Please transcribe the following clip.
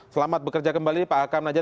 selamat bekerja kembali pak akam najat